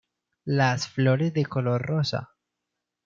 Las flores de color rosa.